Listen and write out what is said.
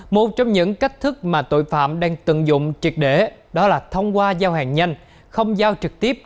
một trong những cách thức mà tội phạm đang tận dụng triệt để đó là thông qua giao hàng nhanh không giao trực tiếp